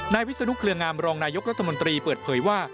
นายวิศนุกเรียงอำรองนายกรัฐมนตรีเปิดเผยว่า